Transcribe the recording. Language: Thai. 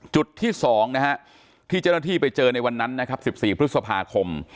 จุดที่๒นะฮะที่เจ้าหน้าที่ไปเจอในวันนั้นนะครับ๑๔พฤษภาคม